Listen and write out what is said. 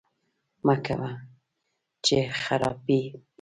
مکوه! چې خراپی یې